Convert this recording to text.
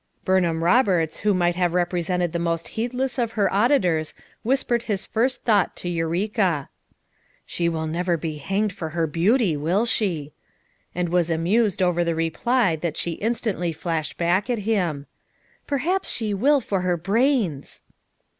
Burn ham Roberts who might have represented the most heedless of her auditors whispered his first thought to Eureka: "She will never be hanged for her beauty, will she?" And was amused over the reply that she instantly flashed back at him. "Perhaps she will for her brains."